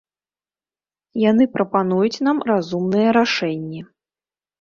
Яны прапануюць нам разумныя рашэнні.